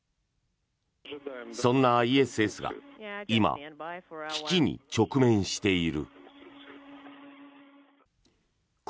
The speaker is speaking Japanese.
そんなＩＳＳが今危機に直面している。